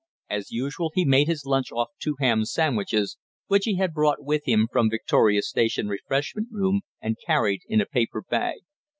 As usual, he made his lunch off two ham sandwiches, which he had brought with him from Victoria Station refreshment room and carried in a paper bag.